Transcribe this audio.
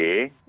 ada di ugd